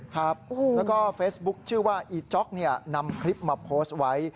ครับแล้วก็เฟซบุ๊คชื่อว่าอีจ๊อกนำคลิปมาโพสต์ไว้